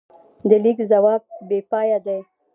د لیک ځواک بېپایه دی.